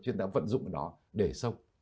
chứ ta vẫn dùng nó để sống